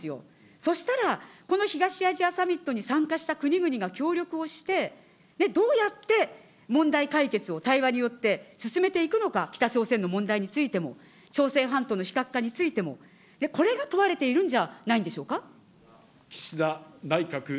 そしたら、この東アジアサミットに参加した国々が協力をして、どうやって問題解決を対話によって進めていくのか、北朝鮮の問題についても、朝鮮半島の非核化についても、これが問われているんじゃないでしょうか。